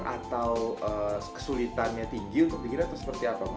atau kesulitannya tinggi untuk dikira atau seperti apa